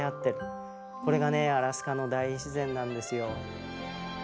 これがねアラスカの大自然なんですよ。